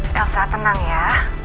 elsa tenang ya